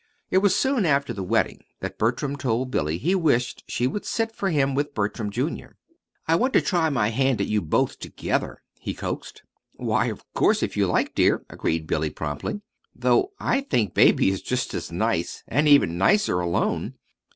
It was soon after the wedding that Bertram told Billy he wished she would sit for him with Bertram, Jr. "I want to try my hand at you both together," he coaxed. "Why, of course, if you like, dear," agreed Billy, promptly, "though I think Baby is just as nice, and even nicer, alone."